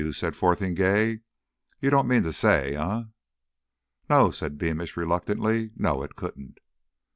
said Fotheringay. "You don't mean to say eh?" "No," said Beamish reluctantly. "No, it couldn't."